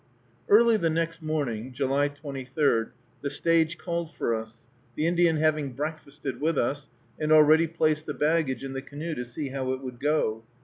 Early the next morning (July 23) the stage called for us, the Indian having breakfasted with us, and already placed the baggage in the canoe to see how it would go.